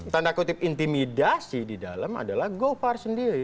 tanda kutip intimidasi di dalam adalah govar sendiri